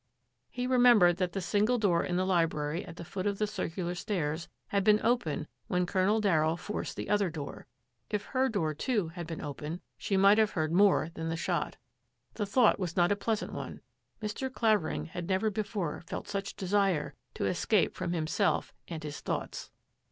He remembered that the single door in the library at the foot of the circular stairs had been open when Colonel Darryll forced the other door. If her door, too, had been open, she might have heard more than the shot. The thought was not a pleas ant one. Mr. Clavering had never before felt such desire to escape from himself and his thoughts.